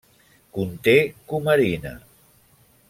Conté cumarina.